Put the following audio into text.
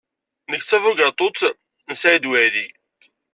Nekk d tabugaṭut n Saɛid Waɛli.